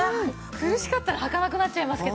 苦しかったらはかなくなっちゃいますけどね